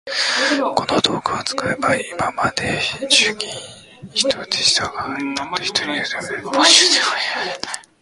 この道具を使えば、今まで十人でした仕事が、たった一人で出来上るし、宮殿はたった一週間で建つ。それに一度建てたら、もう修繕することが要らない。